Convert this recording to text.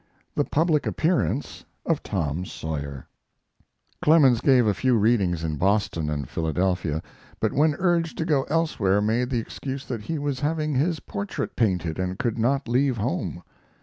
THE PUBLIC APPEARANCE OF "TOM SAWYER" Clemens gave a few readings in Boston and Philadelphia, but when urged to go elsewhere made the excuse that he was having his portrait painted and could not leave home.